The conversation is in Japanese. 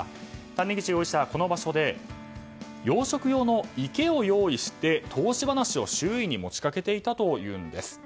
谷口容疑者はこの場所で養殖用の池を用意して投資話を周囲に持ち掛けていたというんです。